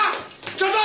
ちょっと！